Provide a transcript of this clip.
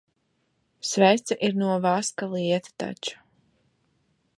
Svece ir no vaska lieta taču.